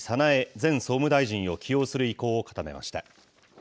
前総務大臣を起用する意向を固めました。